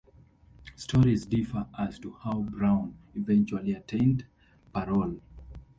Stories differ as to how Brown eventually attained parole.